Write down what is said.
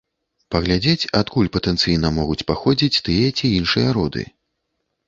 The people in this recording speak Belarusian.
Паглядзець, адкуль патэнцыйна могуць паходзіць тыя ці іншыя роды.